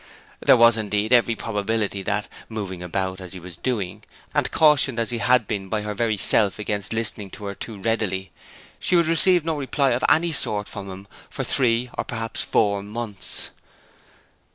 There was, indeed, every probability that, moving about as he was doing, and cautioned as he had been by her very self against listening to her too readily, she would receive no reply of any sort from him for three or perhaps four months.